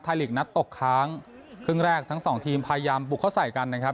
ลีกนัดตกค้างครึ่งแรกทั้งสองทีมพยายามบุกเข้าใส่กันนะครับ